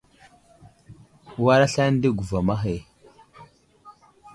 War aslane di guvam ahe.